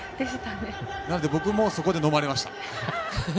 なので僕もそこでのまれました。